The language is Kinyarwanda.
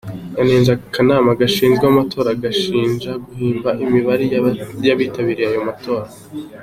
Yanenze akanama gashinzwe amatora agashinja guhimba imibare y’abitabiriye ayo matora.